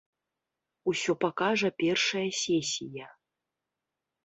Усё пакажа першая сесія.